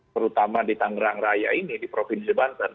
terutama di tangerang raya ini di provinsi banten